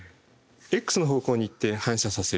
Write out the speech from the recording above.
ｘの方向に行って反射させる。